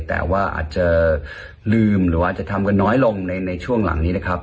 แต่ว่าอาจจะลืมหรือว่าจะทำกันน้อยลงในช่วงหลังนี้นะครับ